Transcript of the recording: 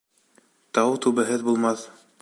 Тау түбәһеҙ булмаҫ.